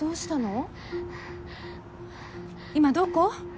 今どこ？